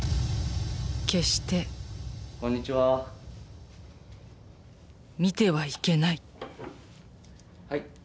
決して見てはいけないはい。